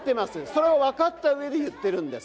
それを分かった上で言ってるんです。